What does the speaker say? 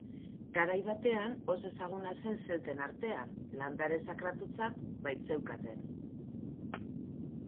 Garai batean oso ezaguna zen zelten artean, landare sakratutzat baitzeukaten.